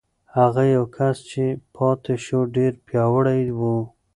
هغه یو کس چې پاتې شو، ډېر پیاوړی و.